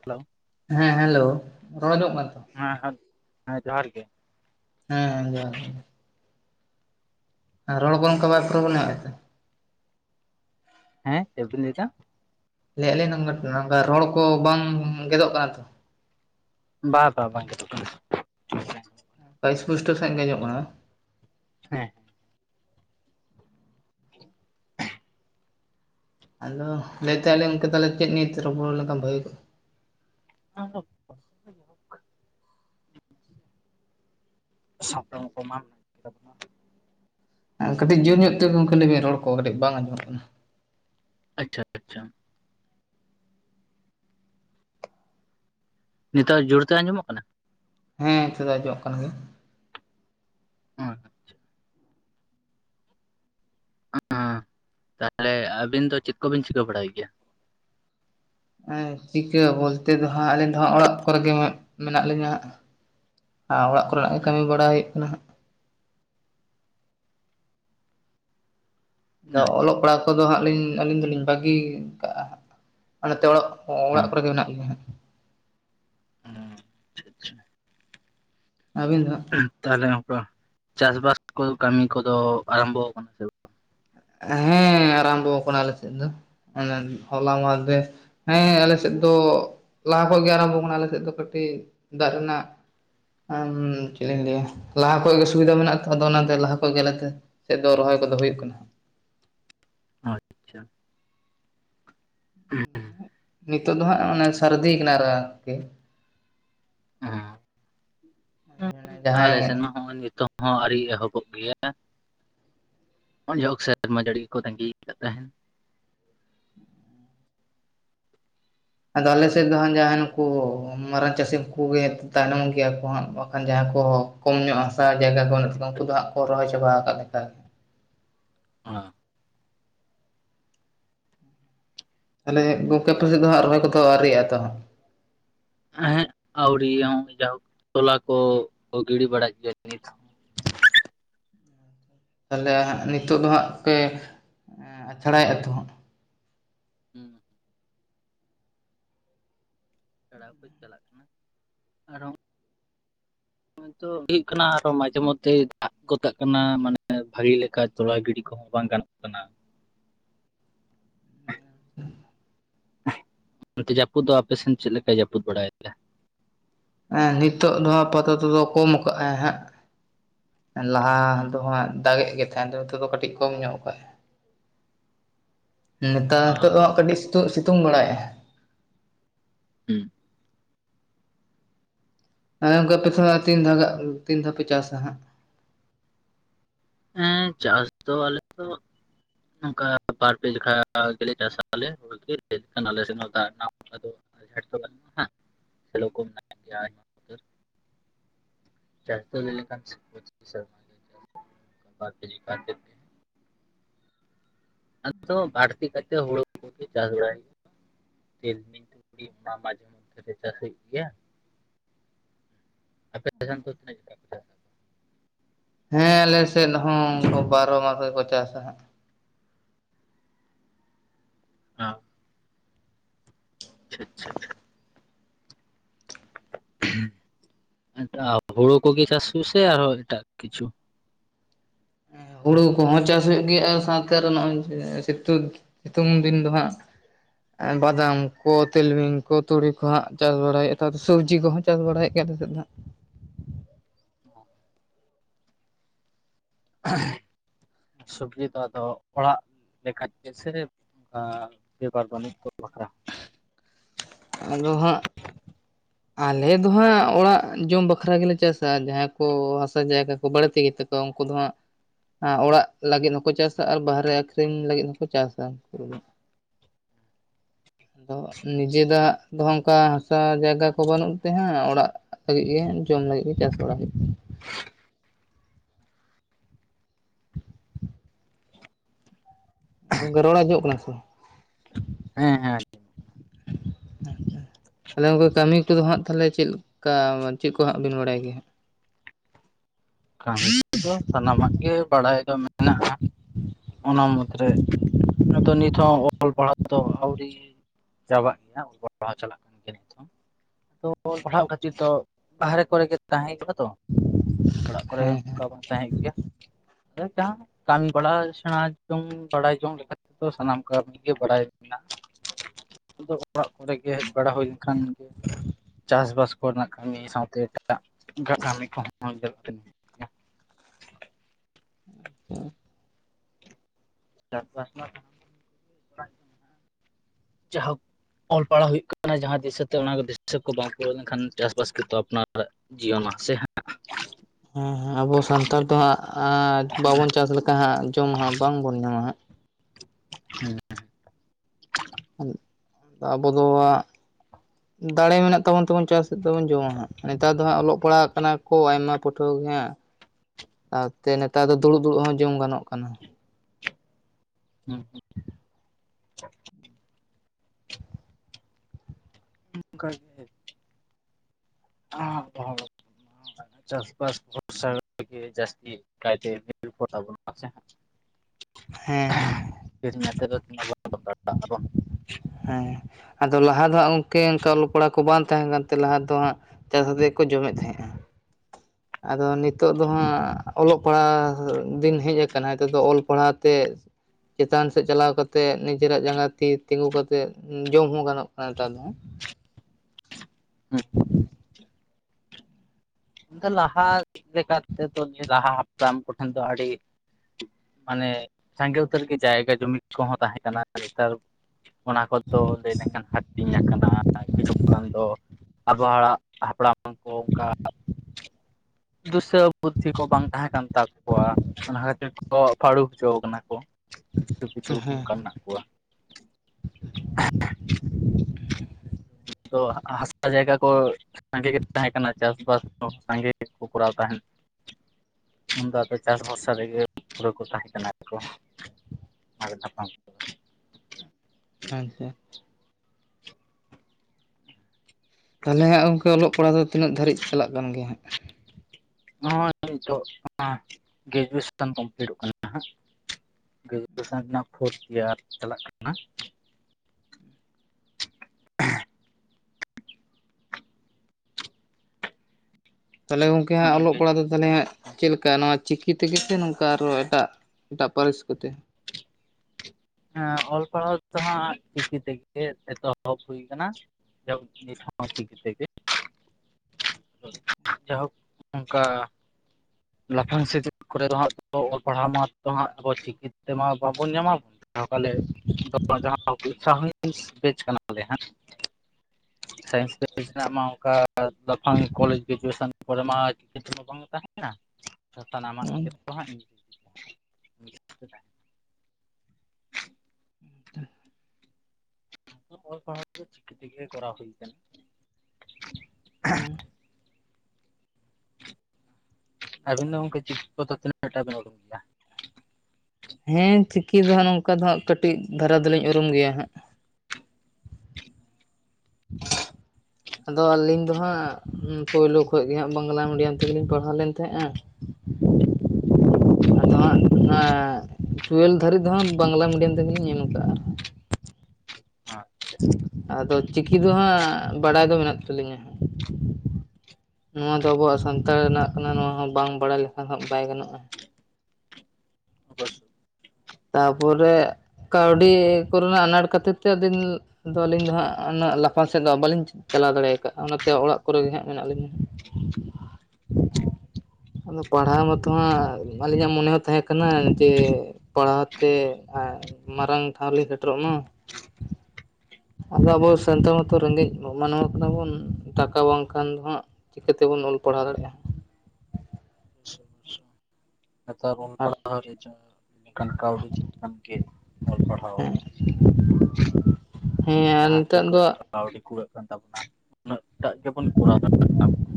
Hello ᱦᱮᱸ ᱦᱮᱸ hello ᱨᱚᱞ ᱟᱸᱡᱚᱢᱚᱜ ᱠᱟᱱ ᱛᱟᱢᱟ ᱦᱮᱸ ᱦᱮᱸ ᱡᱚᱦᱟᱨ ᱜᱮ ᱦᱮᱸ ᱦᱮᱸ ᱡᱚᱦᱟᱨ ᱨᱚᱲ ᱠᱚ ᱚᱱᱠᱟ ᱵᱟᱭ ᱯᱨᱚᱰᱽᱞᱮᱢ ᱟᱭᱛᱚ ᱦᱮᱸ ᱪᱮᱫ ᱵᱤᱱ ᱞᱟᱹᱭ ᱮᱫᱟ ᱾ ᱞᱟᱹᱭ ᱟᱞᱤᱧ ᱱᱚᱝᱠᱟ ᱨᱚᱲ ᱠᱚ ᱵᱟᱝ ᱜᱮᱫᱚᱜ ᱠᱟᱱᱟ ᱛᱚ ᱵᱟ ᱵᱟ ᱵᱟᱧ ᱜᱮᱫᱚᱜ ᱠᱟᱱᱟ ᱦᱳᱭ ᱤᱥᱯᱩᱥᱴᱟᱹ ᱥᱟᱺᱦᱤᱡ ᱜᱮ ᱟᱧᱡᱚᱢᱚᱜ ᱠᱟᱱᱟ ᱰᱟ ᱦᱮᱸ [unintelligible] ᱟᱫᱚ ᱞᱟᱹᱭᱮᱫ ᱛᱟᱸᱦᱮ ᱞᱤᱧ ᱜᱚᱢᱠᱮ ᱛᱟᱦᱚᱞᱮ ᱪᱮᱫ ᱱᱤᱛ ᱨᱚᱯᱚᱲ ᱞᱮᱱᱠᱷᱟᱱ ᱵᱷᱟᱹᱜᱤ ᱠᱚᱜᱼᱟ [unintelligible] ᱥᱟᱯᱲᱟᱢ ᱠᱚᱢᱟ [unintelligible] ᱠᱟᱹᱴᱤᱡ ᱡᱩᱨ ᱧᱚᱜ ᱛᱮ ᱜᱚᱢᱠᱮ ᱞᱟᱹᱭ ᱵᱤᱱ ᱨᱚᱲ ᱠᱚ ᱠᱟᱹᱴᱤᱡ ᱵᱟᱝ ᱟᱸᱡᱚᱢᱚᱜ ᱠᱟᱱᱟ ᱟᱪᱪᱷᱟ ᱟᱪᱪᱦᱟ ᱱᱤᱛᱚᱜ ᱡᱩᱨ ᱛᱮ ᱟᱸᱡᱚᱢᱚᱜ ᱠᱟᱱᱟ ᱦᱮᱸ ᱱᱤᱛᱚᱜ ᱫᱚ ᱟᱸᱡᱚᱢᱚᱜ ᱠᱟᱱ ᱜᱮᱭᱟ ᱦᱚᱸ ᱟᱪᱪᱷᱟ ᱦᱩᱸ ᱛᱟᱦᱚᱞᱮ ᱟᱹᱵᱤᱱ ᱫᱚ ᱪᱮᱫ ᱠᱚᱵᱤᱱ ᱪᱤᱠᱟᱹ ᱵᱟᱲᱟᱭ ᱜᱮᱭᱟ ᱦᱮᱸ ᱪᱤᱠᱟᱹ ᱵᱚᱞᱛᱮ ᱫᱚ ᱦᱟᱸᱜ ᱟᱹᱞᱤᱧ ᱫᱚ ᱦᱟᱸᱜ ᱚᱲᱟᱜ ᱠᱚᱨᱮ ᱜᱮ ᱢᱮᱱᱟᱜ ᱞᱤᱧᱟᱹ ᱦᱟᱸᱜ ᱟᱨ ᱚᱲᱟᱜ ᱠᱚᱨᱮᱱᱟᱜ ᱜᱮ ᱠᱟᱹᱢᱤ ᱵᱟᱲᱟ ᱦᱩᱭᱩᱜ ᱠᱟᱱᱟ ᱟᱫᱚ ᱟᱪᱪᱷᱟ ᱚᱞᱚᱜ ᱯᱟᱲᱦᱟᱜ ᱠᱚᱫᱚ ᱦᱟᱸᱜ ᱞᱤᱧ ᱟᱹᱞᱤᱧ ᱫᱚ ᱞᱤᱧ ᱵᱟᱹᱜᱤ ᱦᱟᱠᱟᱜᱼᱟ ᱚᱱᱟᱛᱮ ᱚᱞᱚᱜ ᱦᱚᱸ ᱚᱲᱟᱜ ᱦᱮᱸ ᱠᱚᱨᱮ ᱜᱮ ᱢᱮᱱᱟᱜ ᱞᱤᱧᱟ ᱦᱟᱸᱜ ᱦᱩᱸ ᱟᱪᱪᱷᱟ ᱟᱪᱪᱷᱟ ᱟᱹᱵᱤᱱ ᱫᱚ ᱦᱟᱸᱜ ᱛᱟᱦᱚᱞᱮ ᱚᱱᱠᱟ ᱪᱟᱥ ᱵᱟᱥ ᱠᱚ ᱠᱟᱹᱢᱤ ᱠᱚᱫᱚ ᱟᱨᱟᱢᱵᱷᱚ ᱟᱠᱟᱱᱟ ᱥᱮ ᱵᱟᱝ ᱦᱮᱸ ᱟᱨᱟᱢᱵᱷᱚ ᱟᱠᱟᱱᱟ ᱟᱞᱮ ᱥᱮᱫ ᱫᱚ ᱦᱚᱞᱟ ᱢᱟᱦᱫᱮᱨ ᱦᱮᱸ ᱟᱞᱮ ᱥᱮᱫ ᱫᱚ ᱞᱟᱦᱟ ᱠᱷᱚᱡ ᱜᱮ ᱟᱨᱟᱢᱵᱷᱚ ᱟᱠᱟᱱᱟ ᱟᱞᱮ ᱥᱮᱫ ᱫᱚ ᱠᱟᱹᱴᱤᱡ ᱫᱟᱜ ᱨᱮᱱᱟᱜ ᱪᱮᱫ ᱤᱧ ᱞᱟᱹᱭᱟ ᱞᱟᱦᱟ ᱠᱷᱚᱡ ᱜᱮ ᱥᱩᱵᱤᱫᱟ ᱢᱮᱱᱟᱜᱼᱟ ᱟᱫᱚ ᱚᱱᱟᱛᱮ ᱞᱟᱦᱟ ᱠᱷᱚᱡ ᱜᱮ ᱟᱞᱮ ᱛᱮ ᱥᱮᱫ ᱫᱚ ᱨᱚᱦᱚᱭ ᱠᱚᱫᱚ ᱦᱩᱭᱩᱜ ᱠᱟᱱᱟ ᱟᱪᱪᱷᱟ [inaudible] ᱱᱤᱛᱚᱜ ᱫᱚ ᱦᱟᱸᱜ ᱢᱟᱱᱮ ᱥᱟᱨᱫᱤ ᱟᱠᱟᱱᱟ ᱟᱨᱠᱤ ᱟᱞᱮ ᱥᱮᱱ ᱡᱟᱦᱟᱸᱭ ᱢᱟ ᱱᱚᱜᱼᱚᱭ ᱱᱤᱛᱚᱝ ᱦᱚᱸ ᱟᱹᱣᱨᱤ ᱮᱦᱚᱵᱚᱜ ᱜᱮᱭᱟ ᱦᱚᱜ-ᱚᱭ ᱡᱟᱭᱦᱩᱠ ᱥᱮᱨᱢᱟ ᱡᱟᱹᱲᱤ ᱜᱮᱠᱚ ᱛᱟᱺᱜᱤ ᱠᱟᱫ ᱛᱟᱦᱮᱸᱱ ᱟᱫᱚ ᱟᱞᱮ ᱥᱮᱫ ᱫᱚ ᱦᱟ ᱡᱟᱦᱟᱭ ᱱᱩᱠᱩ ᱢᱟᱨᱟᱝ ᱪᱟᱹᱥᱤ ᱩᱱᱠᱩ ᱠᱚᱜᱮ ᱛᱟᱭᱱᱚᱢ ᱜᱮᱭᱟᱠᱚ ᱦᱟᱸᱜ ᱵᱟᱠᱷᱟᱱ ᱡᱟᱦᱟᱭ ᱠᱚ ᱠᱚᱢ ᱧᱚᱜ ᱦᱟᱥᱟ ᱡᱟᱭᱜᱟ ᱠᱚ ᱦᱮᱱᱟ ᱛᱟᱠᱚᱣᱟ ᱩᱱᱠᱩ ᱫᱚ ᱦᱟᱸᱜ ᱠᱚ ᱨᱚᱦᱚᱭ ᱪᱟᱵᱟᱣ ᱠᱟᱫ ᱞᱮᱠᱟ ᱜᱮ [unintelligible] ᱛᱟᱦᱞᱮ ᱜᱚᱝᱠᱮ ᱟᱯᱮᱥᱮᱡ ᱫᱚ ᱦᱟ ᱨᱚᱦᱚᱭ ᱠᱚᱫᱚ ᱟᱹᱣᱤᱭᱟ-ᱟ ᱛᱚ ᱦᱟᱸᱜ ᱟᱣᱨᱤ [unintelligible] ᱡᱟᱭᱦᱳᱠ ᱛᱚᱞᱟ ᱠᱚ ᱜᱤᱲᱤ ᱵᱟᱲᱟᱭ ᱜᱮᱭᱟ ᱱᱤᱛ ᱦᱚᱸ ᱛᱟᱦᱚᱞᱮ ᱦᱟᱜ ᱱᱤᱛᱚᱜ ᱫᱚ ᱦᱟᱜ ᱯᱮ ᱟᱪᱷᱲᱟᱭᱮᱫ-ᱟ ᱛᱚᱦᱟᱸᱜ ᱦᱩᱻ [unintelligible] ᱠᱚ ᱪᱟᱞᱟ ᱠᱟᱱᱟ ᱟᱨᱦᱚᱸ ᱱᱚᱜ-ᱚᱭ ᱛᱚ [unintelligible] ᱦᱩᱭᱩᱜ ᱠᱟᱱᱟ ᱟᱨᱚ ᱢᱟᱡᱷᱮ ᱢᱚᱫᱷᱮᱭ ᱫᱟᱜ ᱜᱚᱫᱟᱜ ᱠᱟᱱᱟ ᱢᱟᱱᱮ ᱵᱷᱟᱹᱜᱤ ᱞᱮᱠᱟ ᱛᱚᱞᱟ ᱜᱤᱰᱤ ᱠᱚᱦᱚ ᱵᱟᱝ ᱜᱟᱱᱚᱜ ᱠᱟᱱᱟ [unintelligible] ᱚᱱᱛᱮ ᱡᱟᱹᱯᱩᱫ ᱫᱚ ᱟᱯᱮ ᱥᱮᱫ ᱪᱮᱫ ᱞᱮᱠᱟᱭ ᱡᱟᱹᱯᱩᱫ ᱵᱟᱲᱟᱭᱮᱫᱟ ᱱᱤᱛᱚᱜ ᱫᱚ ᱦᱟᱸᱜ ᱟᱯᱟᱛᱚᱛᱚ ᱫᱚ ᱠᱚᱢ ᱠᱟᱜ-ᱟᱭ ᱦᱟᱸᱜ ᱞᱟᱦᱟ ᱫᱚ ᱦᱟᱸᱜ ᱫᱟᱜᱮᱫ ᱜᱮ ᱛᱟᱦᱮ ᱛᱮ ᱱᱤᱛᱚᱜ ᱫᱚ ᱠᱟᱹᱴᱤᱡ ᱠᱚᱢ ᱧᱚᱜ ᱠᱟᱜ-ᱟᱭ ᱱᱤᱛᱚᱜ ᱚ ᱫᱚ ᱦᱟᱸᱜ ᱠᱟᱴᱤᱡ ᱥᱤ ᱥᱤᱛᱩᱝ ᱵᱟᱲᱟᱭᱮᱜ-ᱟᱭ ᱦᱩᱻ ᱟᱫᱚ ᱜᱚᱝᱠᱮ ᱟᱯᱮ ᱥᱮᱱ ᱫᱚ ᱟᱫᱚ ᱛᱤᱱ ᱫᱷᱟᱣ [unintelligible] ᱛᱤᱱ ᱫᱷᱟᱣ ᱯᱮ ᱪᱟᱥᱟ ᱦᱟᱸᱜ ᱪᱟᱥ ᱫᱚ ᱟᱞᱮ ᱫᱚ ᱱᱚᱝᱠᱟ ᱵᱟᱨᱯᱮ ᱡᱮᱠᱟ ᱜᱮᱞᱮ ᱪᱟᱥᱟ ᱟᱞᱮ ᱵᱳᱞᱛᱮ ᱟᱞᱮᱥᱮᱱ ᱦᱚ ᱫᱟᱜ ᱨᱮᱱᱟᱜ [unintelligible] ᱟᱸᱡᱷᱟᱴ ᱠᱚ ᱵᱟᱱᱩᱜ ᱟᱱᱟ ᱥᱮᱞᱳ ᱠᱚ ᱢᱮᱱᱟᱜ ᱜᱮᱭᱟ ᱪᱟᱥ ᱫᱚ ᱞᱟᱹᱭ ᱞᱮᱠᱷᱟᱱ [unintelligible] ᱟᱫᱚ ᱵᱟᱹᱲᱛᱤ ᱠᱟᱭᱛᱮ ᱦᱳᱲᱳ ᱠᱚᱜᱮ ᱪᱟᱥ ᱵᱟᱲᱟᱭ ᱦᱩᱭᱩᱜ ᱛᱤᱞᱢᱤᱧ ᱛᱩᱲᱤ ᱚᱱᱟ ᱢᱟᱡᱷᱮ ᱢᱚᱫᱷᱮ ᱨᱮ ᱪᱟᱥ ᱦᱩᱭᱩᱜ ᱜᱮᱭᱟ ᱟᱯᱮ ᱥᱟᱱ ᱫᱚ ᱛᱤᱱᱟᱹᱜ ᱡᱮᱠᱷᱟ ᱯᱮ ᱪᱟᱥᱟ ᱟᱪᱪᱷᱟ ᱦᱮ ᱟᱞ ᱥᱮᱫ ᱦᱚ ᱩᱱᱠᱟ ᱵᱟᱨᱚ ᱢᱟᱥ ᱜᱮᱠᱚ ᱪᱟᱥᱟ ᱦᱟᱸᱜ ᱚᱸ ᱟᱪᱪᱷᱟ ᱟᱪᱪᱷᱟ ᱮᱱᱛᱮ ᱦᱳᱲᱳ ᱠᱚᱜᱮ ᱪᱟᱥ ᱦᱩᱭᱩᱜ-ᱟ ᱥᱮ ᱟᱨᱦᱚᱸ ᱮᱴᱟᱜ ᱠᱤᱪᱷᱩ ᱦᱩᱲᱩ ᱠᱚᱦᱚ ᱪᱟᱥ ᱦᱩᱭᱩᱜ ᱜᱮᱭᱟ ᱟᱨ ᱥᱟᱶᱛᱮ ᱟᱨ ᱱᱚᱜ-ᱚᱭ ᱥᱤᱛᱩ ᱥᱤᱛᱩᱝ ᱫᱤᱱ ᱫᱚ ᱦᱟᱸᱜ ᱵᱟᱫᱟᱢ ᱠᱚ ᱛᱤᱞᱢᱤᱧ ᱠᱚ ᱛᱩᱲᱤ ᱠᱚ ᱦᱟᱸᱜ ᱪᱟᱥ ᱵᱟᱲᱟᱭᱮᱫᱟ ᱛᱚ ᱟᱫᱚ ᱥᱚᱵᱽᱡᱤ ᱠᱚᱦᱚᱸ ᱪᱟᱥ ᱪᱟᱥ ᱵᱟᱲᱟᱭᱮᱫ ᱜᱮᱭᱟ ᱟᱞᱮ ᱥᱮᱫ ᱫᱚ ᱦᱟᱸᱜ [unintelligible] ᱥᱚᱵᱽᱡᱤ ᱫᱚ ᱟᱫᱚ ᱚᱲᱟᱜ ᱞᱮᱠᱟᱡ ᱜᱮ ᱥᱮ ᱟᱻ ᱵᱮᱯᱟᱨ ᱵᱟᱱᱩᱡ ᱠᱚ ᱵᱷᱟᱠᱨᱟ ᱟᱫᱚ ᱦᱟᱸᱜ ᱟᱞᱮ ᱫᱚ ᱦᱟᱸᱜ ᱚᱲᱟᱜ ᱡᱚᱢ ᱵᱟᱠᱷᱨᱟ ᱜᱮᱞᱮ ᱪᱟᱥᱟ ᱡᱟᱦᱟᱭ ᱠᱚ ᱦᱟᱥᱟ ᱡᱟᱭᱜᱟ ᱠᱚ ᱵᱟᱹᱲᱛᱤ ᱜᱮᱛᱟᱠᱚ ᱛᱚ ᱩᱱᱠᱩ ᱫᱚ ᱦᱟ ᱚᱲᱟᱜ ᱞᱟᱹᱜᱤᱫ ᱦᱚᱠᱚ ᱪᱟᱥᱟ ᱟᱨ ᱵᱟᱦᱨᱮ ᱟᱠᱷᱨᱤᱧ ᱞᱟᱜᱤᱫ ᱦᱚᱠᱚ ᱪᱟᱥᱟ ᱩᱱᱠᱩ ᱟᱫᱚ ᱱᱤᱡᱮ ᱫᱚᱦᱟ ᱫᱚ ᱚᱱᱠᱟ ᱦᱟᱥᱟ ᱡᱟᱭᱜᱟ ᱠᱚ ᱵᱟᱱᱩᱜ ᱛᱮ ᱦᱚ ᱚᱲᱟᱜ ᱞᱟᱜᱤᱫ ᱜᱮ ᱡᱚᱢ ᱞᱟᱜᱤᱫ ᱪᱟᱥ ᱵᱟᱲᱟ ᱦᱩᱭᱩᱜ ᱜᱚᱝᱠᱮ ᱨᱚᱲ ᱟᱱᱡᱚᱢᱚᱜ ᱠᱟᱱᱟ ᱥᱮ ᱦᱮ ᱦᱮ ᱟᱱᱡᱚᱢ [inaudible] ᱛᱟᱦᱞᱮ ᱜᱚᱝᱠᱮ ᱠᱟᱢᱤ ᱠᱚᱫᱚ ᱦᱟ ᱛᱟᱞᱦᱮ ᱪᱮᱫ ᱞᱮᱠᱟ ᱪᱮᱫ ᱠᱚᱦᱟ ᱵᱤᱱ ᱵᱟᱲᱟᱭ ᱜᱮ ᱠᱟᱢᱤ ᱫᱚ ᱥᱟᱱᱟᱢᱟ ᱜᱮ ᱵᱟᱲᱟᱭ ᱫᱚ ᱢᱮᱱᱟᱜ-ᱟ [inaudible] ᱚᱱᱟ ᱢᱩᱫᱨᱮ ᱟᱫᱚ ᱱᱤᱛ ᱦᱚ ᱚᱞ ᱯᱟᱲᱦᱟᱣ [unintelligible] ᱫᱚ ᱟᱣᱨᱤ ᱪᱟᱵᱟᱜ ᱜᱮᱭᱟ ᱚᱞ ᱯᱟᱲᱦᱟᱣ ᱪᱟᱞᱟᱜ ᱠᱟᱱ ᱜᱮᱭᱟ ᱱᱤᱛᱚ ᱦᱚ᱾ ᱛᱚ ᱚᱞ ᱯᱟᱲᱦᱟᱜ ᱠᱷᱟᱛᱤᱨ ᱫᱚ ᱵᱟᱦᱨᱮ ᱠᱚᱨᱮ ᱜᱮ ᱛᱟᱦᱮ ᱦᱩᱭᱩᱟ ᱛᱚ ᱚᱲᱟᱜ ᱠᱚᱨᱮ ᱦᱮᱸ ᱦᱮᱸ ᱚᱱᱠᱟ ᱵᱟᱝ ᱛᱟᱦᱮ ᱦᱩᱭᱩ ᱜᱮᱭᱟ ᱚᱭ ᱡᱟ [unintelligible] ᱠᱟᱹᱢᱤ ᱵᱟᱲᱟ ᱥᱮᱬᱟ ᱡᱚᱝ ᱵᱟᱲᱟᱭ ᱡᱚᱝ ᱞᱮᱠᱟ ᱛᱮᱫᱚ ᱥᱟᱱᱟᱢ ᱠᱟᱹᱢᱤ ᱜᱮ ᱵᱟᱲᱟᱭ ᱢᱮᱱᱟᱜᱼᱟ [unintelligible] ᱟ ᱫᱚ ᱚᱲᱟᱜ ᱠᱚᱨᱮ ᱜᱮ ᱦᱮᱡ ᱵᱟᱲᱟ ᱦᱳᱭ ᱠᱷᱟᱱ ᱜᱮ ᱪᱟᱥᱵᱟᱥ ᱠᱚᱨᱮᱱᱟᱜ ᱠᱟᱹᱢᱤ ᱥᱟᱶᱛᱮ ᱮᱴᱟᱜ ᱠᱟᱹᱢᱤ ᱠᱚᱦᱚᱸ ᱡᱮ [unintelligible] [inaudible] [inaudible] ᱪᱟᱥᱵᱟᱥ ᱨᱮᱱᱟᱜ [inaudible] ᱡᱟᱦᱳᱠ ᱚᱞ ᱯᱟᱲᱦᱟᱣ ᱦᱩᱭᱩᱜ ᱠᱟᱱᱟ ᱡᱟᱦᱟᱸ ᱫᱤᱥᱟᱹᱛᱮ ᱚᱱᱟ ᱫᱤᱥᱟᱹ ᱠᱚ ᱵᱟᱝ ᱯᱩᱨᱟᱹᱣ ᱞᱮᱱᱠᱷᱟᱱ ᱪᱟᱥᱵᱟᱥ ᱜᱮᱛᱚ ᱟᱯᱱᱟᱨᱟᱜ [inaudible] ᱡᱤᱭᱳ ᱱᱟᱥᱮ ᱦᱟᱸᱜ ᱦᱮᱸ ᱦᱮᱸ ᱟᱵᱚ ᱥᱟᱱᱛᱟᱲ ᱫᱚ ᱦᱟᱸᱜ ᱵᱟᱵᱚᱱ ᱪᱟᱥ ᱞᱮᱠᱷᱟᱱ ᱠᱟᱦᱟᱸᱜ ᱡᱚᱢ ᱦᱟᱸᱜ ᱵᱟᱝ ᱵᱚᱱ ᱧᱟᱢᱟ ᱦᱟᱸᱜ ᱦᱩᱸ [inaudible] ᱟᱞ ᱟᱵᱚ ᱫᱚ ᱟᱻ ᱫᱟᱲᱮ ᱢᱮᱱᱟᱜ ᱛᱟᱵᱚᱱ ᱛᱮᱟᱵᱚᱱ ᱪᱟᱥᱮᱫ ᱛᱮᱵᱚᱱ ᱡᱚᱢᱟ ᱦᱟᱜ ᱱᱮᱛᱟᱨ ᱫᱚ ᱦᱟᱜ ᱚᱞᱚᱜ ᱯᱟᱲᱦᱟᱜ ᱠᱟᱱᱟ ᱠᱚ ᱟᱭᱢᱟ ᱯᱟᱹᱴᱷᱣᱟᱹ ᱠᱚᱜᱮ ᱦᱟᱜ ᱟᱨ ᱛᱮ ᱱᱮᱛᱟᱨ ᱫᱚ ᱫᱩᱲᱩᱵ ᱫᱩᱲᱩᱵ ᱦᱚ ᱡᱚᱢ ᱜᱟᱱᱚᱜ ᱠᱟᱱᱟ᱾ ᱦ [inaudible] [inaudible] ᱪᱟᱥᱵᱟᱥ ᱵᱷᱚᱨᱥᱜᱮ ᱡᱟᱹᱥᱛᱤ ᱠᱟᱭᱛᱮᱯᱚᱫ [inaudible] ᱛᱟᱵᱚᱥ ᱦᱮᱸ ᱦᱮᱸ ᱠ ᱢᱮᱛᱮ ᱫᱚ [inaudible] ᱟᱵ [inaudible] ᱦᱮᱸ ᱟᱫᱚ ᱞᱟᱦᱟ ᱫᱚ ᱦᱟᱸᱜ ᱝᱠᱮ ᱚᱱᱠᱟ ᱚᱞᱚᱜ ᱯᱟᱲᱦᱟᱣ ᱠᱚ ᱵᱟᱝ ᱛᱟᱦᱮᱸ ᱠᱟᱱ ᱛᱚ ᱞᱟᱦᱟ ᱫᱚ ᱦᱟᱸᱜ ᱪᱟᱥᱛᱮᱫᱠᱚ ᱡᱚᱢᱮᱫ ᱛᱟᱦᱮᱸᱜᱼᱟ ᱟᱫᱚ ᱱᱤᱛᱳᱜ ᱫᱚ ᱦᱟᱸᱜ ᱚᱞᱚᱜ ᱯᱟᱲᱦᱟᱜ ᱫᱤᱱ ᱦᱮᱡ ᱟᱠᱟᱱᱟ ᱱᱤᱛᱚᱜ ᱫᱚ ᱚᱞ ᱯᱟᱲᱦᱟᱣ ᱛᱮ ᱪᱮᱛᱟᱱ ᱥᱮᱫ ᱪᱟᱞᱟᱣ ᱠᱟᱛᱮ ᱱᱤᱡᱮᱨᱟᱜ ᱡᱟᱸᱜᱟ ᱛᱤ ᱛᱤᱸᱜᱩ ᱠᱟᱛᱮᱫ ᱡᱚᱢ ᱦᱚᱸ ᱜᱟᱱᱚᱜ ᱠᱟᱱᱟ ᱱᱮᱛᱟᱨ ᱫᱚ ᱦᱮᱸ [inaudible] ᱫᱚ ᱞᱟᱦᱟ ᱞᱮᱠᱟ ᱞᱮᱠᱟᱛᱮ ᱫᱚ ᱱᱤᱭᱟᱹ ᱞᱟᱦᱟ ᱦᱟᱯᱲᱟᱢ ᱠᱚᱴᱷᱮᱱ ᱫᱚ ᱟᱹᱰᱤ ᱢᱟᱱᱮ ᱥᱟᱸᱜᱮ ᱩᱛᱟᱹᱨ ᱜᱮ ᱡᱟᱭᱜᱟ ᱡᱚᱢᱤᱠ ᱠᱚᱦᱚᱸ ᱛᱟᱦᱮᱸ ᱠᱟᱱᱟ ᱱᱮᱛᱟᱨ ᱚᱱᱟ ᱠᱚᱫᱚ ᱞᱟᱹᱭ ᱞᱮᱱᱠᱷᱟᱱ ᱦᱟᱹᱴᱤᱧ ᱟᱠᱟᱱᱟ ᱠᱤᱪᱷᱩᱜ ᱠᱷᱟᱱ ᱫᱚ ᱟᱵᱚ ᱦᱚᱲᱟᱜ ᱦᱟᱯᱲᱟᱢ ᱠᱚ ᱚᱱᱠᱟ [unintelligible] [inaudible] ᱫᱩᱥᱟᱹ ᱵᱩᱫᱽᱫᱷᱤ ᱠᱚ ᱵᱟᱝ ᱛᱟᱦᱮᱸ ᱠᱟᱱ ᱛᱟᱠᱚᱣᱟ ᱾ ᱚᱱᱟ ᱠᱷᱟᱹᱛᱤᱨ ᱠᱚ ᱯᱷᱟᱹᱲᱩ ᱦᱚᱪᱚ ᱠᱟᱱᱟ ᱠᱚ, ᱠᱤᱪᱷᱩ ᱠᱤᱪᱷᱩ ᱚᱱᱠᱟ ᱢᱮᱱᱟᱜ ᱠᱚᱣᱟ ᱾ ᱫᱟ ᱦᱟᱸᱥᱟ ᱡᱟᱭᱜᱟ ᱠᱚ ᱥᱟᱸᱜᱮ ᱜᱮ ᱛᱟᱦᱮᱸ ᱠᱟᱱᱟ ᱪᱟᱥᱵᱟᱥ ᱠᱚ ᱥᱟᱸᱜᱮ ᱜᱮᱠᱚ ᱠᱚᱨᱟᱣ ᱛᱟᱦᱮᱱ ᱩᱱᱫᱚ ᱟᱫᱚ ᱪᱟᱥ ᱵᱷᱚᱨᱥᱟ ᱨᱮᱜᱮ ᱦᱳᱲᱳ ᱠᱚ ᱛᱟᱦᱮᱸ ᱠᱟᱱᱟ ᱟᱨᱠᱚ ᱟᱮ ᱛᱟᱯ [inaudible] ᱟᱪᱪᱷᱟ [inaudible] ᱛᱟᱦᱚᱞᱮ ᱦᱟᱸᱜ ᱜᱚᱢᱠᱮ ᱚᱞᱚᱜ ᱯᱟᱲᱦᱟᱣ ᱫᱚ ᱛᱱᱟᱹᱜ ᱫᱷᱟᱹᱨᱤᱡ ᱪᱟᱞᱟᱜ ᱠᱟᱱ ᱜᱮ ᱦᱟᱸᱜ᱾ ᱱᱚᱜᱼᱚᱭ ᱱᱤᱛᱚᱜ ᱜᱨᱮᱡᱩᱭᱮᱥᱚᱱ ᱠᱚᱢᱯᱞᱤᱴᱚᱜ ᱠᱟᱱᱟ ᱦᱟᱸᱜ [inaudible] ᱜᱨᱮᱡᱩᱭᱮᱥᱚᱱ ᱨᱮᱱᱟᱜ ᱯᱷᱳᱨᱛᱷ ᱤᱭᱟᱨ ᱪᱟᱞᱟᱜ ᱠᱟᱱᱟ [inaudible] ᱛᱟᱦᱚᱞ ᱜᱚᱝᱠᱮ ᱦᱟᱸᱜ ᱱᱚᱜᱼᱚᱭ ᱚᱞᱚᱜ ᱯᱟᱲᱟᱜ ᱫᱚ ᱜᱨᱮᱡᱩᱭᱮᱥᱚᱱ ᱛᱟᱦᱚᱞᱮ ᱦᱟᱸᱜ, ᱪᱮᱫ ᱞᱮᱠᱟ ᱱᱚᱣᱟ ᱪᱤᱠᱤ ᱛᱮᱜᱮ ᱥᱮ ᱱᱚᱝᱠᱟ ᱟᱨᱦᱚ ᱮᱴᱟᱜ ᱮᱴᱟᱜ ᱯᱟᱹᱨᱤᱥ ᱠᱚᱛᱮ? ᱚᱞ ᱯᱟᱲᱦᱟᱣ ᱫᱚ ᱦᱟᱸᱜ ᱪᱤᱠᱤ ᱛᱮᱜᱮ ᱮᱛᱚᱦᱚᱵ ᱦᱩᱭ ᱟᱠᱟᱱᱟ ᱾ [unintelligible] ᱛᱮᱜᱮ ᱡᱟᱭᱦᱳᱠ ᱚᱱᱠᱟ, ᱞᱟᱯᱷᱟᱝ ᱥᱮᱪᱮᱫ ᱠᱚᱨᱮ ᱫᱚ ᱦᱟᱸᱜ ᱚᱞ ᱯᱟᱲᱦᱟᱣ ᱢᱟᱛᱚ ᱦᱟᱸᱜ ᱟᱵᱚ ᱪᱤᱠᱤ ᱛᱮᱢᱟ ᱵᱟᱵᱚᱱ ᱧᱟᱢᱟ ᱾ [unintelligible] ᱵᱮᱡᱽ ᱠᱟᱱᱟᱞᱮ ᱦᱟᱸᱜ ᱾ ᱥᱟᱭᱮᱱᱥ ᱨᱮᱱᱟᱜ ᱢᱟ ᱚᱱᱠᱟ ᱞᱟᱯᱷᱟᱝ ᱠᱚᱞᱮᱡᱽ ᱜᱨᱮᱡᱩᱭᱮᱥᱚᱱ ᱠᱚᱨᱮ ᱢᱟ ᱪᱤᱠᱤ ᱛᱮᱢᱟ ᱵᱟᱝ ᱛᱟᱦᱮᱱ ᱾ [unintelligible] ᱟᱢᱟᱜ [unintelligible] ᱚᱞ ᱯᱟᱲᱦᱟᱣ ᱠᱚᱫᱚ ᱪᱤᱠᱤ ᱠᱚᱨᱟᱣ ᱦᱩᱭ ᱠᱟᱱᱟ ᱾ ᱟᱵᱤᱱ ᱫᱚ ᱜᱚᱢᱠᱮ ᱪᱤᱠᱤ ᱯᱚᱛᱚᱵ ᱛᱤᱱᱟᱜ ᱴᱟ ᱵᱤᱱ ᱩᱨᱩᱢ ᱜᱮᱭᱟ? ᱦᱮᱸ ᱪᱤᱠᱤ ᱫᱚ ᱦᱟᱸᱜ ᱱᱚᱝᱠᱟ ᱫᱚ ᱦᱟᱸᱜ ᱠᱟᱹᱴᱤᱡ ᱫᱷᱟᱨᱟ ᱫᱚᱞᱤᱧ ᱩᱨᱩᱢ ᱜᱮᱭᱟ ᱦᱟᱸᱜ, [inaudible] ᱟᱫᱚ ᱟᱹᱞᱤᱧ ᱫᱚ ᱦᱟᱸᱜ ᱯᱳᱭᱞᱳ ᱠᱷᱚᱡ ᱜᱮ ᱦᱟᱸᱜ ᱵᱟᱝᱞᱟ ᱢᱤᱰᱤᱭᱟᱢ ᱛᱮᱜᱮᱞᱤᱧ ᱯᱟᱲᱦᱟᱣ ᱞᱮᱱ ᱛᱟᱸᱦᱮᱱᱟ ᱾ [inaudible] ᱟᱫᱚ ᱦᱟᱸᱜ ᱚᱱᱟ ᱴᱩᱭᱮᱞᱵᱷ ᱫᱷᱟᱹᱨᱤᱡ ᱫᱚ ᱦᱟᱸᱜ ᱵᱟᱝᱞᱟ ᱢᱤᱰᱤᱭᱟᱢ ᱛᱮᱜᱮᱞᱤᱧ ᱮᱢ ᱟᱠᱟᱜᱼᱟ ᱾ ᱦᱟᱸ ᱾ ᱟᱫᱚ ᱪᱤᱠᱤ ᱫᱚ ᱦᱟᱸᱜ ᱵᱟᱰᱟᱭ ᱫᱚ ᱢᱮᱱᱟᱜ ᱛᱟᱹᱞᱤᱧᱟ ᱦᱟᱸᱜ ᱾ ᱱᱚᱣᱟ ᱫᱚ ᱟᱵᱚᱣᱟᱜ ᱥᱟᱱᱛᱟᱲ ᱨᱮᱱᱟᱜ ᱠᱟᱱᱟ ᱱᱚᱣᱟ ᱦᱚᱸ ᱵᱟᱝ ᱵᱟᱲᱟᱭ ᱞᱮᱠᱷᱟᱱ ᱵᱟᱭ ᱜᱟᱱᱚᱜᱼᱟ ᱾ ᱛᱟᱯᱚᱨᱮ, ᱠᱟᱹᱣᱰᱤ ᱠᱚᱨᱮᱱᱟᱜ ᱟᱱᱟᱴ ᱠᱷᱟᱹᱛᱤᱨ ᱛᱮ ᱟᱹᱞᱤᱧ ᱫᱚ ᱟᱹᱞᱤᱧ ᱫᱚ ᱦᱟᱸᱜ ᱩᱱᱟᱹᱜ ᱞᱟᱯᱷᱟᱝ ᱥᱮᱫ ᱫᱚ ᱵᱟᱞᱤᱧ ᱪᱟᱞᱟᱣ ᱫᱟᱲᱮ ᱠᱟᱜᱼᱟ ᱾ ᱚᱱᱟᱛᱮ ᱚᱲᱟᱜ ᱠᱚᱨᱮ ᱜᱮ ᱦᱟᱸᱜ ᱢᱮᱱᱟᱜ ᱞᱤᱧᱟ ᱾ ᱟᱫᱚ ᱯᱟᱲᱦᱟᱣ ᱢᱟᱛᱚ ᱦᱟᱸ ᱟᱹᱞᱤᱧᱟᱜ ᱢᱚᱱᱮ ᱦᱚᱸ ᱛᱟᱦᱮᱸ ᱠᱟᱱᱟ ᱡᱮ, ᱯᱟᱲᱦᱟᱣ ᱛᱮ ᱢᱟᱨᱟᱝ ᱴᱷᱟᱶ ᱞᱤ ᱥᱮᱴᱮᱨᱚᱜᱼᱢᱟ ᱾ ᱟᱫᱚ ᱟᱵᱚ ᱥᱟᱱᱛᱟᱲ ᱢᱚᱛᱚ ᱨᱮᱸᱜᱮᱡ ᱢᱟᱱᱣᱟ ᱠᱟᱱᱟ ᱵᱚᱱ ᱴᱟᱠᱟ ᱵᱟᱝᱠᱷᱟᱱ ᱫᱚ ᱦᱟᱸᱜ, ᱪᱤᱠᱟᱹᱛᱮᱵᱚᱱ ᱚᱞ ᱯᱟᱲᱦᱟᱣ ᱫᱟᱲᱮᱭᱟᱜᱼᱟ ᱾ ᱱᱮᱛᱟᱨ ᱚᱞ ᱟᱨ ᱯᱟᱲᱦᱟᱣ ᱨᱮᱪᱚᱝ ᱠᱟᱹᱣᱰᱤ ᱪᱮᱛᱟᱱ ᱜᱮ ᱚᱞ ᱯᱟᱲᱦᱟᱣ ᱾ ᱦᱮᱸ ᱟᱨ ᱡᱟᱦᱟᱸ ᱱᱤᱛᱚᱜ ᱫᱚ ᱴᱩᱠᱟᱹᱜ ᱠᱟᱹᱣᱰᱤ ᱠᱩᱲᱟᱹᱜ ᱠᱟᱱ ᱛᱟᱵᱚᱱᱟ ᱾ ᱩᱱᱟᱹᱜ ᱴᱟᱜ ᱜᱮᱵᱚᱱ ᱠᱚᱨᱟᱣ ᱫᱟᱲᱮᱭᱟᱜ ᱠᱟᱱᱟ ᱵᱚᱱ,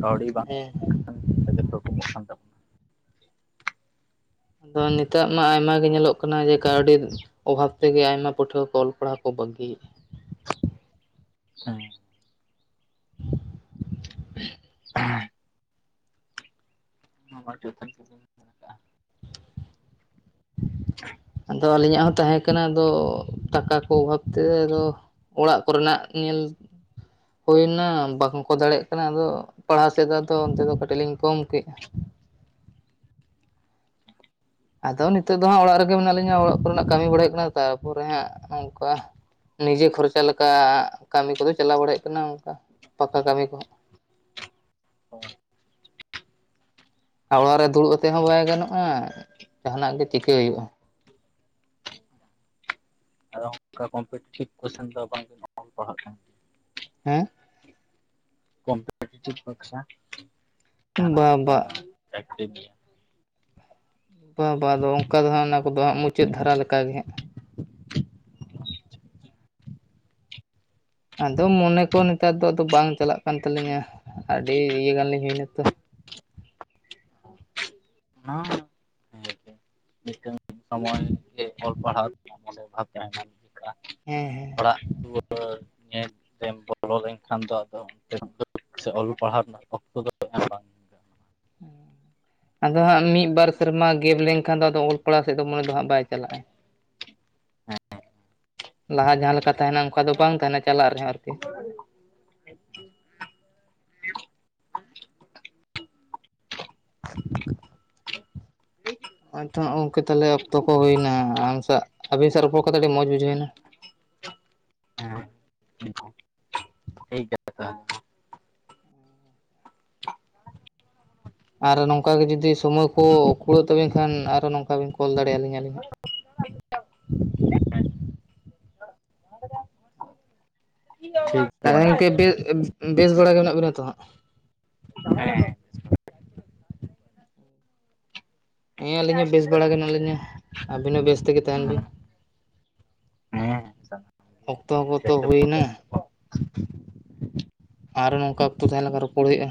ᱠᱟᱹᱣᱰᱤ ᱵᱟᱝ ᱦᱮᱸ ᱠᱩᱲᱟᱹᱣ ᱞᱮᱱᱠᱷᱟᱱ ᱜᱮ ᱚᱸᱰᱮ ᱜᱮ ᱛᱷᱩᱠᱩᱢᱚᱜ ᱠᱟᱱ ᱛᱟᱵᱚᱱᱟ ᱾ ᱟᱫᱚ ᱱᱮᱛᱚᱜ ᱢᱟ ᱟᱭᱢᱟ ᱜᱮ ᱧᱮᱞᱚᱜ ᱠᱟᱱᱟ ᱡᱮ ᱠᱟᱹᱣᱰᱤ, ᱚᱵᱷᱟᱵᱽ ᱛᱮᱜᱮ ᱟᱭᱢᱟ ᱯᱟᱹᱴᱷᱩᱣᱟᱹ ᱠᱚ ᱚᱞ ᱯᱟᱲᱦᱟᱣ ᱠᱚ ᱵᱟᱹᱜᱤᱮᱜ ᱾ ᱥᱮᱸ [inaudible] ᱱᱚᱣᱟ ᱵᱟᱨ [unintelligible] ᱟᱫᱚ ᱟᱹᱞᱤᱧᱟᱜ ᱦᱚᱸ ᱛᱟᱸᱦᱮ, ᱠᱟᱱᱟ ᱟᱫᱚ ᱴᱟᱠᱟ ᱠᱚ ᱚᱵᱷᱟᱵᱛᱮ ᱟᱫᱚ ᱚᱲᱟᱜ ᱠᱚᱨᱮᱱᱟᱜ ᱧᱮᱞ, ᱦᱩᱭᱱᱟ ᱵᱟᱝᱠᱚ ᱫᱟᱲᱮᱭᱟᱜ ᱠᱟᱱᱟ ᱟᱫᱚ ᱯᱟᱲᱦᱟᱣ ᱥᱮᱫ ᱟᱫᱚ ᱚᱱᱛᱮ ᱫᱚ ᱠᱟᱹᱴᱤᱡ ᱞᱤᱧ ᱠᱚᱢ ᱠᱮᱜᱼᱟ ᱾ ᱟᱫᱚ ᱱᱤᱛᱚᱜ ᱫᱚ ᱦᱟᱸᱜ ᱚᱲᱟᱜ ᱨᱮᱜᱮ ᱢᱮᱱᱟᱜ ᱞᱤᱧᱟ ᱚᱲᱟᱜ ᱠᱚᱨᱮᱱᱟᱜ ᱠᱟᱹᱢᱤ ᱵᱟᱲᱟᱭ ᱠᱟᱱᱟ ᱛᱟᱨᱯᱚᱨᱮ ᱦᱟᱸᱜ ᱱᱚᱝᱠᱟ, ᱱᱤᱡᱮ ᱠᱷᱚᱨᱪᱟ ᱞᱮᱠᱟ ᱠᱟᱹᱢᱤ ᱠᱚᱫᱚ ᱪᱟᱞᱟᱣ ᱵᱟᱲᱟᱭᱟᱜ ᱠᱟᱱᱟ ᱚᱱᱠᱟ ᱛᱟᱯᱟ ᱠᱟᱹᱢᱤ ᱠᱚᱦᱚᱸ, [unintelligible] ᱟᱨ ᱚᱲᱟᱜ ᱨᱮ ᱫᱩᱲᱩᱵ ᱠᱟᱛᱮᱫ ᱦᱚᱸ ᱵᱟᱭ ᱜᱟᱱᱚᱜᱼᱟ ᱡᱟᱦᱟᱱᱟᱜ ᱜᱮ ᱪᱤᱠᱟᱹᱭ ᱦᱩᱭᱩᱜᱼᱟ ᱾ ᱟᱫᱚ ᱚᱱᱠᱟ ᱠᱚᱢᱯᱤᱴᱤᱮᱴᱤᱵᱷ ᱠᱚᱥᱪᱮᱱ ᱫᱚ ᱵᱟᱝ ᱵᱤᱱ ᱚᱞ ᱯᱟᱲᱦᱟᱜ ᱠᱟᱱ ᱜᱮᱭᱟ ᱾ ᱦᱮᱸ ᱠᱚᱢᱯᱤᱴᱤᱥᱮᱱᱟ ᱵᱟᱠᱷᱨᱟ ᱡᱟᱦᱱᱟᱜ ᱵᱟ ᱚᱱᱠᱟ, ᱵᱟ ᱯᱮᱠᱴᱤᱠ ᱜᱮᱭᱟ ᱾ ᱵᱟ ᱵᱟ ᱟᱫᱚ ᱚᱱᱠᱟ ᱫᱚ ᱦᱟᱸᱜ ᱚᱱᱟ ᱠᱚᱫᱚ ᱦᱟᱸᱜ ᱢᱩᱪᱟᱹᱫᱽ ᱫᱷᱟᱨᱟ ᱞᱮᱠᱟᱜᱮ ᱦᱟᱸᱜ, ᱟᱫᱚ ᱢᱚᱱᱮ ᱠᱚ ᱱᱮᱛᱟᱨ ᱫᱚ ᱟᱫᱚ ᱵᱟᱝ ᱪᱟᱞᱟᱜ ᱠᱟᱱ ᱛᱟᱹᱞᱤᱧᱟ ᱟᱹᱰᱤ ᱤᱭᱟᱹ ᱜᱟᱱ ᱞᱤᱧ ᱦᱩᱭᱱᱟ ᱛᱚ, ᱚᱱᱟᱦᱚ ᱦᱮᱸ ᱜᱮ ᱢᱤᱫᱴᱟᱝ ᱥᱚᱢᱚᱭ ᱜᱮ ᱚᱞ ᱯᱟᱲᱦᱟᱣ ᱨᱮᱱᱟᱜ ᱚᱰᱮ ᱵᱷᱟᱵ ᱛᱟᱦᱮᱱᱟ ᱪᱮᱫᱠᱟ ᱦᱮᱸ ᱦᱮᱸ ᱚᱲᱟᱜ ᱫᱩᱣᱟᱹᱨ ᱧᱮᱞ ᱛᱮᱢ ᱵᱚᱞᱚ ᱞᱮᱱᱠᱷᱟᱱ ᱫᱚ ᱟᱫᱚ ᱚᱱᱛᱮᱱᱟᱜ ᱫᱚ ᱥᱮ ᱚᱞ ᱯᱟᱲᱦᱟᱣ ᱨᱮᱱᱟᱜ ᱚᱠᱛᱚ ᱫᱚ ᱮᱢ ᱵᱟᱝ‍᱾ ᱟᱫᱚ ᱦᱟᱸᱜ ᱢᱤᱫ ᱵᱟᱨ ᱥᱮᱨᱢᱟ ᱜᱮᱵ ᱞᱮᱱᱠᱷᱟᱱ ᱫᱚ ᱟᱫᱚ ᱚᱞᱚ ᱯᱟᱲᱟᱶ ᱥᱮᱫ ᱫᱚ ᱢᱚᱱᱮ ᱫᱚ ᱦᱟᱸᱜ ᱵᱟᱭ ᱪᱟᱞᱟᱜ-ᱟ ᱦᱮᱸ ᱞᱟᱦᱟ ᱡᱟᱦᱟᱸᱞᱮᱠᱟ ᱴᱷᱤᱠ ᱛᱟᱦᱮᱱᱟ ᱚᱱᱠᱟ ᱫᱚ ᱵᱟᱝ ᱛᱟᱦᱮᱱᱟ ᱪᱟᱞᱟᱜ ᱨᱮᱦᱚᱸ ᱟᱨᱠᱤ‍‌‌᱾ [inaudible] ᱟᱛᱛᱷᱟ ᱜᱚᱝᱠᱮ ᱛᱟᱦᱚᱞᱮ ᱚᱠᱛᱚ ᱠᱚ ᱦᱩᱭᱱᱟ ᱟᱢ ᱥᱟᱶ ᱟᱹᱵᱤᱱ ᱥᱟᱣ ᱨᱚᱯᱚᱲ ᱠᱟᱛᱮ ᱟᱹᱰᱤ ᱢᱚᱡᱽ ᱵᱩᱡᱷᱟᱹᱣ ᱮᱱᱟ᱾ ᱦᱮᱸ ᱛᱷᱚ ᱴᱷᱤᱠ ᱜᱮᱣᱟ ᱛᱟᱦᱚᱞᱮ ᱟᱨ ᱱᱚᱝᱠᱟ ᱜᱮ ᱡᱩᱫᱤ ᱥᱚᱢᱚᱭ ᱠᱚ ᱠᱩᱲᱟᱹᱜ ᱛᱟᱹᱵᱮᱱ ᱠᱷᱟᱱ ᱟᱨᱚ ᱱᱚᱝᱠᱟ ᱵᱤᱱ ᱠᱚᱞ ᱫᱟᱲᱮ ᱟᱹᱞᱤᱧᱟᱹᱞᱤᱧ ᱦᱟᱸᱟᱜ᱾ ᱴᱷᱤᱠ ᱜᱮᱭᱟ ᱛᱟᱦᱚᱞᱮ ᱢᱟ ᱜᱚᱝᱠᱮ ᱵᱮᱥ ᱵᱮᱥ ᱵᱟᱲᱟ ᱜᱮ ᱢᱮᱱᱟᱜ ᱵᱮᱤᱱᱟ ᱛᱚ ᱦᱟᱸᱜ᱾ ᱦᱮᱸ ᱦᱮᱸ ᱦᱮᱸ ᱟᱹᱞᱤᱧ ᱦᱚᱸ ᱵᱮᱥ ᱵᱟᱲᱟ ᱜᱮ ᱦᱮᱱᱟᱜ ᱞᱤᱧᱟ ᱟᱵᱮᱱ ᱦᱚᱸ ᱵᱮᱥ ᱛᱮᱜᱮ ᱛᱟᱦᱮᱱ ᱵᱤᱱ᱾ ᱦᱮᱸ ᱥᱟᱱᱟᱢ ᱜᱮ ᱚᱠᱛᱚ ᱠᱚᱛᱚ ᱵᱮᱥ ᱦᱩᱭ ᱛᱮᱵᱚᱱ ᱱᱟ᱾ ᱛᱟᱦᱮᱱᱟ ᱵᱚᱱ ᱟᱨᱚ ᱱᱚᱝᱠᱟ ᱚᱠᱛᱚ ᱛᱟᱦᱮᱸ ᱞᱮᱱᱠᱷᱟᱱ ᱨᱚᱯᱚᱲ ᱦᱩᱭᱩᱜ-ᱟ᱾